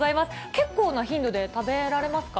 結構な頻度で食べられますか？